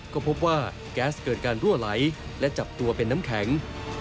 ก็พบว่าแก๊สเกิดการรั่วไหลและจับตัวเป็นน้ำแข็ง